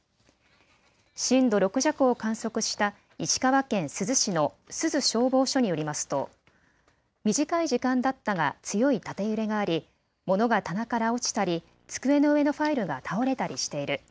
震度６弱を観測した石川県珠洲市の珠洲消防署によりますと短い時間だったが強い縦揺れがあり、物が棚から落ちたり机の上のファイルが倒れたりしている。